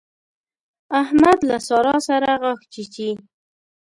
احمد له سارا سره غاښ چيچي.